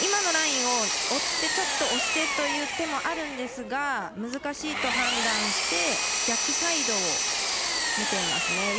今のラインを追ってちょっと押してという手もあるんですが難しいと判断して逆サイドを見ていますね。